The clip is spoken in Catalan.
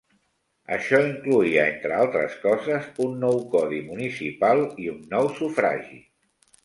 Això incloïa, entre altres coses, un nou codi municipal i un nou sufragi.